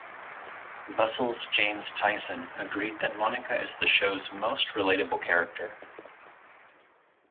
Bustle's James Tison agreed that Monica is the show's most relatable character.